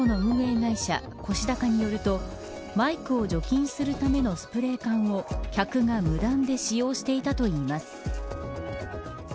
会社コシダカによるとマイクを除菌するためのスプレー缶を客が無断で使用していたといいます。